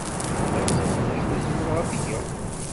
Ad ẓreɣ d acu ay zemreɣ ad t-geɣ.